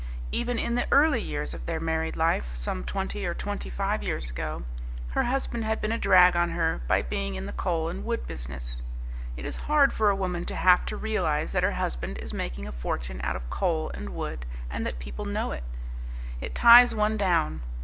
Even in the early years of their married life, some twenty or twenty five years ago, her husband had been a drag on her by being in the coal and wood business. It is hard for a woman to have to realize that her husband is making a fortune out of coal and wood and that people know it. It ties one down.